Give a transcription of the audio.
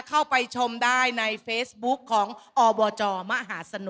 เข้าไปชมได้ในเฟซบุ๊คของอบจมหาสนุก